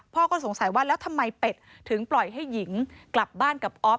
พ่อก็สงสัยว่าแล้วทำไมเป็ดถึงปล่อยให้หญิงกลับบ้านกับอ๊อฟ